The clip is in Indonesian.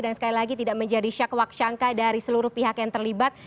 dan sekali lagi tidak menjadi syak wak syangka dari seluruh pihak yang terlibat